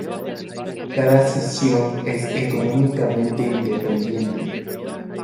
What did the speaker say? Cada sesión es económicamente independiente.